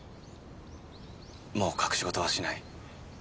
もう隠しごとはしない。